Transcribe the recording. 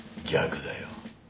逆だよ。